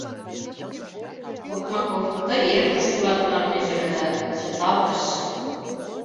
— Отмахов «тый эрыкыште улат?» маннеже ыле да чыталтыш.